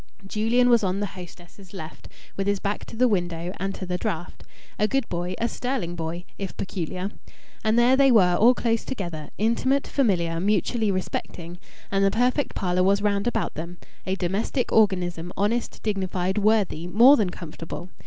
Julian was on the hostess's left, with his back to the window and to the draught. A good boy, a sterling boy, if peculiar! And there they were all close together, intimate, familiar, mutually respecting; and the perfect parlour was round about them: a domestic organism, honest, dignified, worthy, more than comfortable.